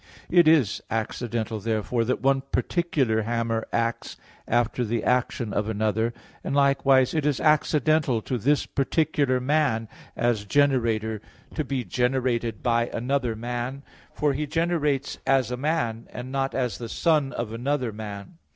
It is accidental, therefore, that one particular hammer acts after the action of another; and likewise it is accidental to this particular man as generator to be generated by another man; for he generates as a man, and not as the son of another man.